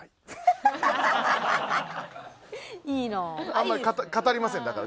あんまり語りませんだから。